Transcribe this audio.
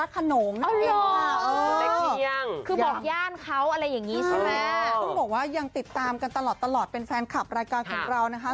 ต้องบอกว่ายังติดตามกันตลอดเป็นแฟนคลับรายการของเรานะคะ